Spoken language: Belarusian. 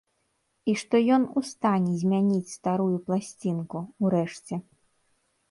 І што ён у стане змяніць старую пласцінку, урэшце.